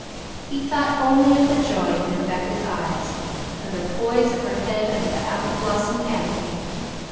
He thought only of the joy in Rebecca's eyes; of the poise of her head under the apple blossom canopy.